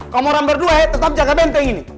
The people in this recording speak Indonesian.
kamu orang berdua ya tetap jaga benteng ini